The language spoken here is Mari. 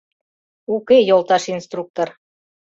— Уке, йолташ инструктор.